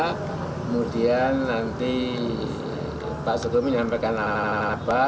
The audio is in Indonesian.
kemudian nanti pak jokowi menyampaikan apa